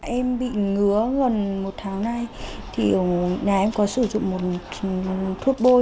em bị ngứa gần một tháng nay thì nhà em có sử dụng một thuốc bôi